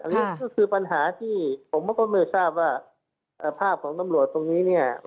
อันนี้ก็คือปัญหาที่ผมก็ไม่ทราบว่าภาพของตำรวจตรงนี้เนี่ย